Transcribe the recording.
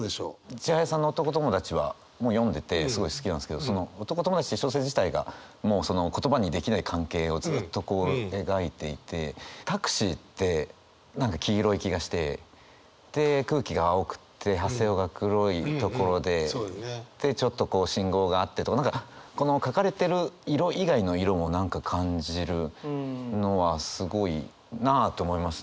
千早さんの「男ともだち」も読んでてすごい好きなんですけどその「男ともだち」っていう小説自体がもうその言葉にできない関係をずっとこう描いていてタクシーって何か黄色い気がしてで空気が青くってハセオが黒いところででちょっとこう信号があってとか何かこの書かれてる色以外の色も何か感じるのはすごいなと思いますね。